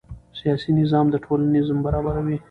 سیاسي نظام د ټولنې نظم برابروي